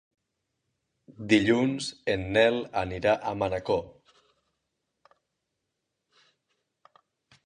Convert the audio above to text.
Dilluns en Nel anirà a Manacor.